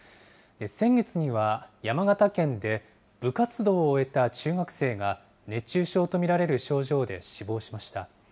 先月には山形県で、部活動を終えた中学生が、熱中症と見られる症状で死亡しました。